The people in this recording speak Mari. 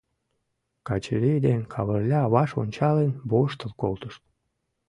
Качырий ден Кавырля, ваш ончалын, воштыл колтышт.